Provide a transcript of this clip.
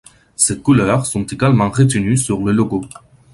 Ces couleurs sont également retenues sur le logo.